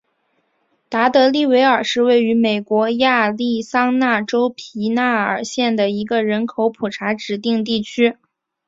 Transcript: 达德利维尔是位于美国亚利桑那州皮纳尔县的一个人口普查指定地区。